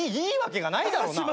いいわけがないだろ。